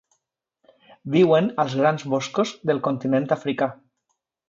Viuen als grans boscos del continent africà.